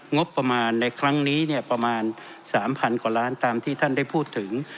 งบประมาณในครั้งนี้เนี่ยประมาณ๓๐๐กว่าล้านตามที่ท่านได้พูดถึง